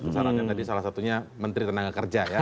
syaratnya tadi salah satunya menteri tenaga kerja ya